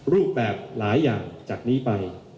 รูปแบบหลายอย่างจากนี้ไป